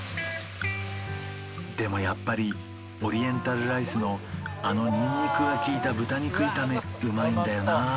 でもやっぱりオリエンタルライスのあのニンニクが利いた豚肉炒めうまいんだよな